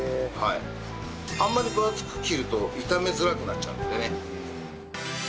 あんまり分厚く切ると炒めづらくなっちゃうのでね。